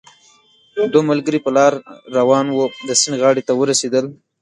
دوه ملګري په لاره روان وو، د سیند غاړې ته ورسېدل